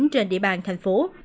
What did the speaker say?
trên địa bàn thành phố